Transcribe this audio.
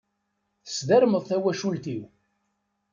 Tesdermeḍ tawacult-iw.